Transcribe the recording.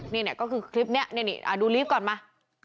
นี่ก็คือคลิปนี้นี่ดูลิฟต์ก่อนมา